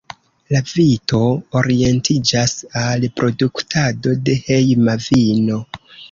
La vito orientiĝas al produktado de hejma vino.